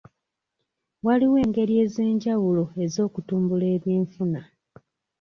Waliwo engeri ez'enjawulo ez'okutumbula eby'enfuna.